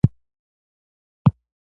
لوبیې څنګه نرمیږي؟